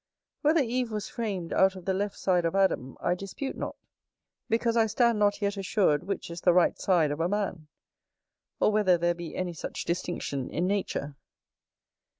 Whether Eve was framed out of the left side of Adam, I dispute not; because I stand not yet assured which is the right side of a man; or whether there be any such distinction in nature.